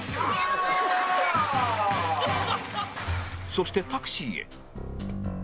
そしてタクシーへ